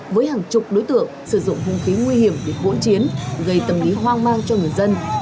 với hàng chục đối tượng sử dụng hung khí nguy hiểm để hỗn chiến gây tâm lý hoang mang cho người dân